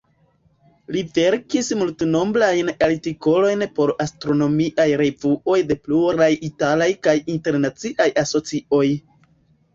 Li verkis multenombrajn artikolojn por astronomiaj revuoj de pluraj italaj kaj internaciaj asocioj.